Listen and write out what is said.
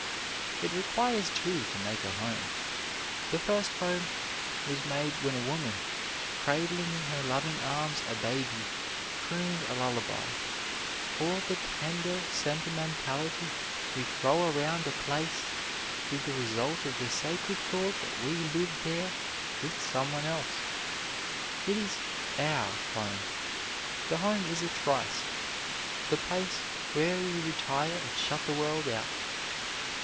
It requires two to make a home. The first home was made when a woman, cradling in her loving arms a baby, crooned a lullaby. All the tender sentimentality we throw around a place is the result of the sacred thought that we live there with some one else. It is "our" home. The home is a tryst the place where we retire and shut the world out.